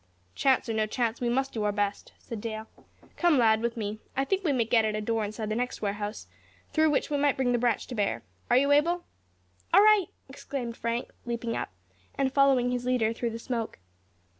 "Chance or no chance, we must do our best," said Dale. "Come, lad, with me; I think we may get at a door inside the next warehouse, through which we might bring the branch to bear. Are you able?" "All right," exclaimed Frank, leaping up, and following his leader through the smoke.